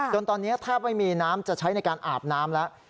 จนตอนนี้แทบไม่มีน้ำจะใช้ในการอาบน้ำแล้ว